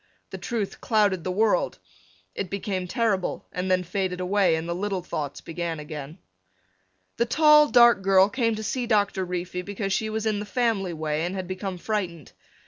The truth clouded the world. It became terrible and then faded away and the little thoughts began again. The tall dark girl came to see Doctor Reefy because she was in the family way and had become frightened.